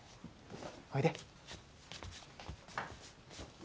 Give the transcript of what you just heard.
おいで。